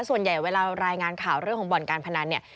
ส่วนใหญ่เวลารายงานข่าวเรื่องของบ่อนการพนันเนี่ย